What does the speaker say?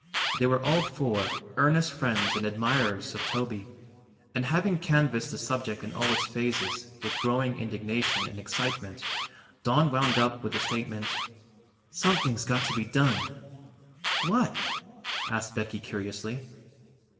They were all four earnest friends and admirers of Toby and having canvassed the subject in all its phases, with growing indignation and excitement, Don wound up with the statement: "Something's got to be done!" "What?" asked Becky curiously.